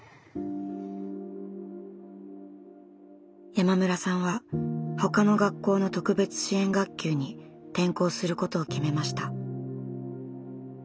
山村さんはほかの学校の特別支援学級に転校することを決めました。